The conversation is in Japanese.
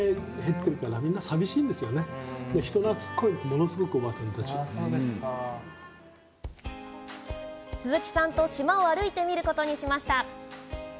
ものすごくやっぱり人が鈴木さんと島を歩いてみることにしました。